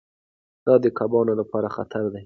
دا د کبانو لپاره خطر دی.